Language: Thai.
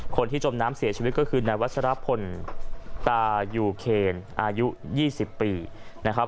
คนที่จมน้ำเสียชีวิตก็คือนายวัชรพลตายูเคนอายุ๒๐ปีนะครับ